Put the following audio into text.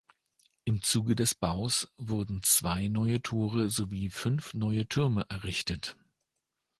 Im Zuge des Baus wurden zwei neue Tore sowie fünf neue Türme errichtet.